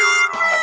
tuh kan hilang